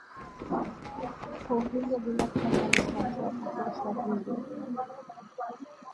fu hizo bila kufanya research ya kutosha vile